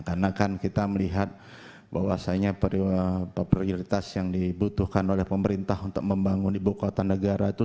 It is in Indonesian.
karena kan kita melihat bahwasanya prioritas yang dibutuhkan oleh pemerintah untuk membangun ibu kota negara itu